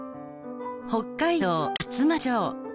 北海道厚真町